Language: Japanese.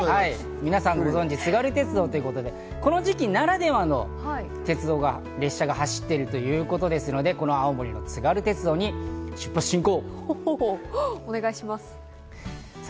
皆さんご存じ、津軽鉄道ということで、この時期ならではの鉄道が、列車が走っているということですので、青森の津軽鉄道に出発進行。